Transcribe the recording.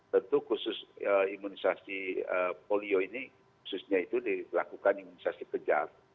tentu khusus imunisasi polio ini khususnya itu dilakukan imunisasi kejar